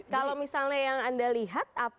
kalau misalnya yang anda lihat